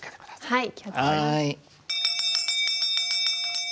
はい。